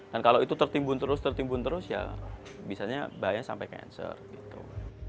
dan kalau itu tertimbun terus tertimbun terus ya bisanya bahaya sampai ke cancer gitu